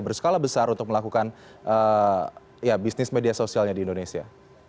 berskala besar untuk melakukan bisnis media sosialnya di indonesia